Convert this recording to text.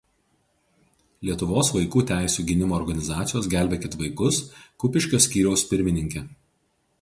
Lietuvos vaikų teisių gynimo organizacijos „Gelbėkit vaikus“ Kupiškio skyriaus pirmininkė.